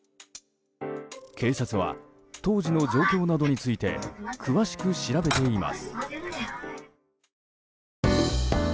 警察は当時の状況などについて詳しく調べています。